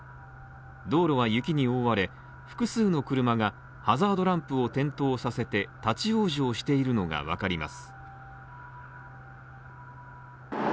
道路は雪に覆われ、複数の車がハザードランプを点灯させて立ち往生しているのがわかります。